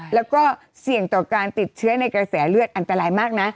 แล้วก็เสี่ยงต่อการติดเชื้อในกระแสเลือดอันตรายมากนะ